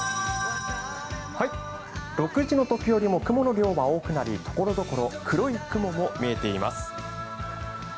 ６時のときよりも雲の量が多くなりところどころ黒い雲も見えています。